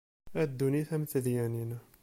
A ddunit a mm tedyanin.